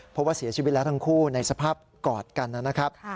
เพราะว่าเสียชีวิตแล้วทั้งคู่ในสภาพกอดกันนะครับ